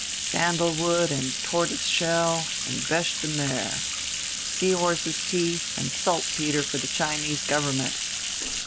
Sandalwood and tortoise shell and beche de mer; sea horses' teeth, and saltpeter for the Chinese Government.